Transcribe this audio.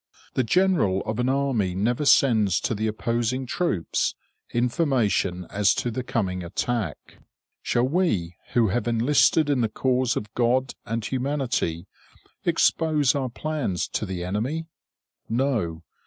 The general of an army never sends to the opposing troops information as to the coming attack. Shall we who have enlisted in the cause of God and humanity expose our plans to the enemy? No!